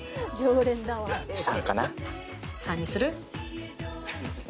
３にする？